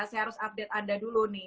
saya harus update anda dulu nih